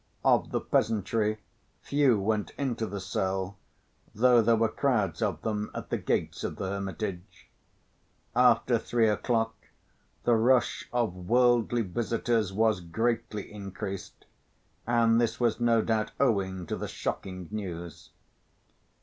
Of the peasantry few went into the cell, though there were crowds of them at the gates of the hermitage. After three o'clock the rush of worldly visitors was greatly increased and this was no doubt owing to the shocking news.